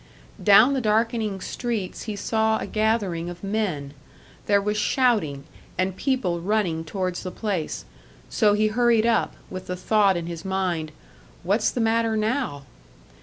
Down the darkening streets he saw a gathering of men; there was shouting, and people running towards the place, so he hurried up, with the thought in his mind, "What's the matter now?"